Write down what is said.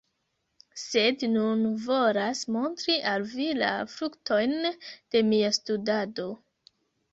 Sed nun volas montri al vi la fruktojn de mia studado.